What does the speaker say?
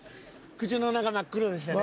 口の中真っ黒でしたね。